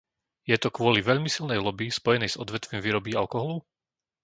Je to kvôli veľmi silnej loby spojenej s odvetvím výroby alkoholu?